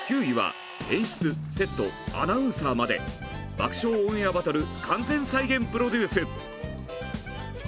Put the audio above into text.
９位は演出セットアナウンサーまで「爆笑オンエアバトル」完全再現プロデュース！